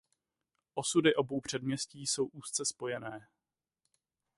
Osudy obou předměstí jsou úzce spojené.